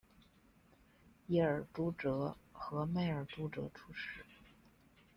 耶尔朱哲和迈尔朱哲出世。